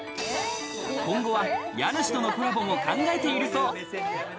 今後は家主とのコラボも考えているそう。